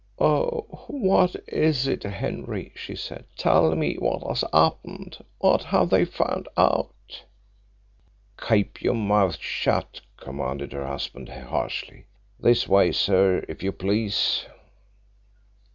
"Oh, what is it, Henry?" she said. "Tell me what has happened? What have they found out?" "Keep your mouth shut," commanded her husband harshly. "This way, sir, if you please."